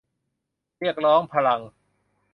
เรียกร้องพลัง